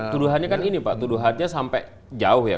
tuduhannya kan ini pak tuduhannya sampai jauh ya